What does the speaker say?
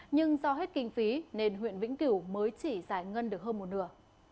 nhưng do hết kinh phí nên huyện vĩnh cửu mới chỉ giải ngân được hơn một nửa